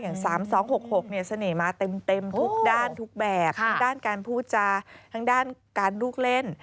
๓๒๖๖เสน่ห์มาเต็มทุกด้านทุกแบบทั้งด้านการพูดจาทั้งด้านการลูกเล่น